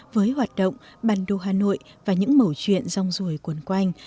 với hoạt động bản đồ hà nội và những mẫu chuyện rong rùi cuốn quanh